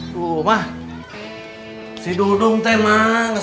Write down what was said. autu si punggung di tunang